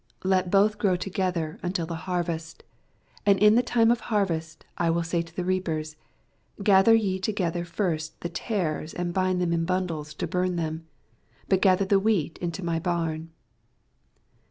80 Let both gjow together until the hurrest: and in the time of harvest I will say to the reapers, Gather ye together first the tares, and bind them in Dandles to barn them : bat gather the wheat into my barn.